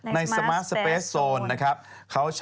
พี่ชอบแซงไหลทางอะเนาะ